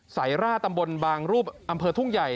สายร่าตำบลบางรูปอำเภอทุ่งใหญ่